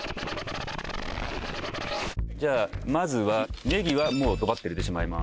じゃあまずはねぎはもうドバッて入れてしまいます